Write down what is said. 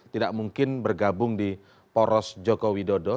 tidak mungkin bergabung di poros joko widodo